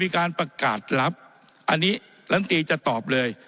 การประกาศรับอันนี้ลำตีจะตอบเลย